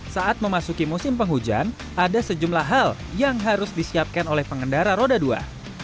saat memasuki musim penghujan ada sejumlah hal yang harus disiapkan oleh pengendara roda dua